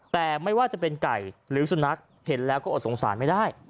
แต่ไม่ว่าจะเป็นไก่หรือสุนัขเห็นแล้วก็อดสงสารไม่ได้